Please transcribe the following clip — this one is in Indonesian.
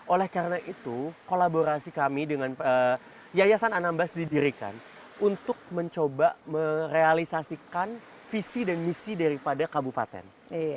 oleh karena itu kolaborasi kami dengan yayasan anambas didirikan untuk mencoba merealisasikan visi dan misi daripada kabupaten